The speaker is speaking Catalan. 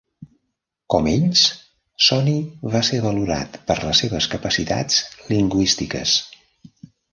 Com ells, Soni va ser valorat per les seves capacitats lingüístiques.